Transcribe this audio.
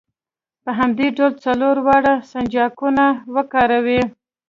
په همدې ډول څلور واړه سنجاقونه وکاروئ.